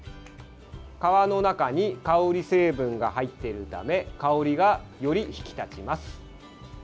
皮の中に香り成分が入っているため香りがより引き立ちます。